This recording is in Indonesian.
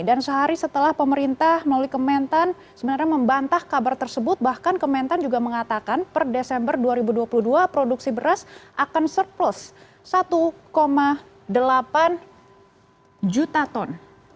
dan sehari setelah pemerintah melalui kementan sebenarnya membantah kabar tersebut bahkan kementan juga mengatakan per desember dua ribu dua puluh dua produksi beras akan surplus satu delapan juta ton